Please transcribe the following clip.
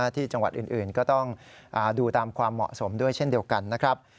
ที่จังหวัดอื่นก็ต้องดูตามความเหมาะสมด้วยเช่นเดียวกันนะครับ